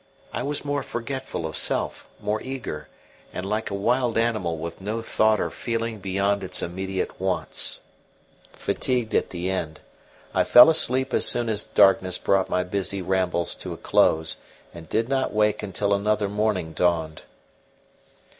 I was more forgetful of self, more eager, and like a wild animal with no thought or feeling beyond its immediate wants. Fatigued at the end, I fell asleep as soon as darkness brought my busy rambles to a close, and did not wake until another morning dawned.